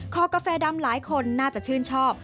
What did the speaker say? กาแฟดำหลายคนน่าจะชื่นชอบ